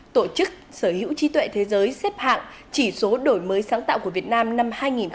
tổ chức sở hữu trí tuệ thế giới xếp hạng chỉ số đổi mới sáng tạo của việt nam năm hai nghìn hai mươi